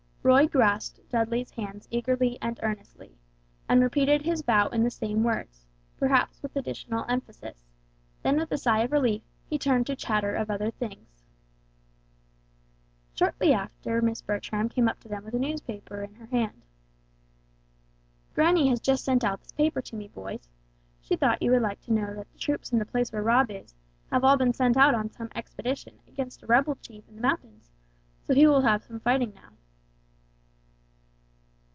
Roy grasped Dudley's hands eagerly and earnestly, and repeated his vow in the same words, perhaps with additional emphasis; then with a sigh of relief, he turned to chatter of other things. Shortly after Miss Bertram came up to them with a newspaper in her hand. "Granny has just sent out this paper to me, boys. She thought you would like to know that the troops in the place where Rob is, have all been sent out on some expedition against a rebel chief in the mountains, so he will have some fighting now."